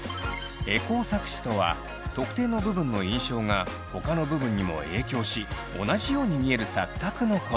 エコー錯視とは特定の部分の印象がほかの部分にも影響し同じように見える錯覚のこと。